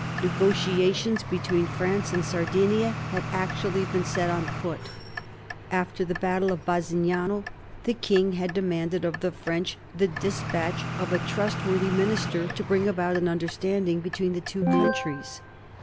Negotiations between France and Sardinia had actually been set on foot. After the battle of Bassignano, the king had demanded of the French the despatch of a trustworthy minister to bring about an understanding between the two countries.